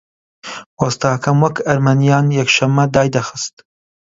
وەستاکەم وەک ئەرمەنییان یەکشەممە دایدەخست